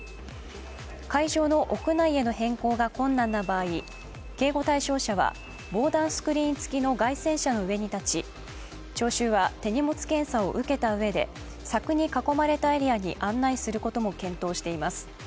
会場の屋内への変更が困難な場合、警護対象者は防弾スクリーン付きの街宣車の上に立ち、聴衆は手荷物検査を受けたうえで柵に囲まれたエリアに案内することも検討しています。